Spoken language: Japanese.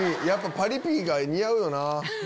やっぱパリピやと似合うよな。